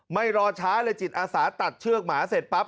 ไม่รอช้าเลยจิตอาสาตัดเชือกหมาเสร็จปั๊บ